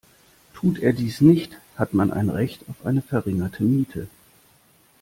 Tut er dies nicht, hat man ein Recht auf eine verringerte Miete.